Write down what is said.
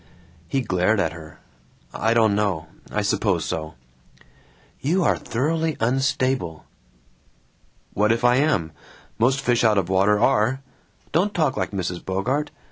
He glared at her. "I don't know. I suppose so." "You are thoroughly unstable!" "What if I am? Most fish out of water are! Don't talk like Mrs. Bogart!